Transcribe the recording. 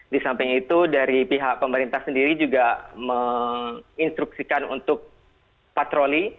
di samping itu dari pihak pemerintah sendiri juga menginstruksikan untuk patroli